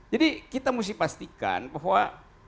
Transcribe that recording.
jadi kita mesti pastikan bahwa